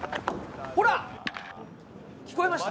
ほら、聞こえました？